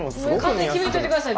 勝手に決めんといて下さい。